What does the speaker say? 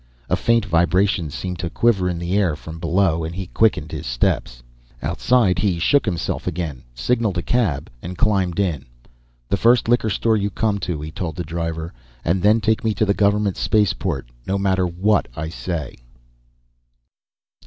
A faint vibration seemed to quiver in the air from below, and he quickened his steps. Outside, he shook himself again, signaled a cab, and climbed in. "The first liquor store you come to," he told the driver. "And then take me to the government space port, no matter what I say!"